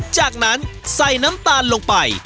จากนั้นใส่น้ำตาลลงไป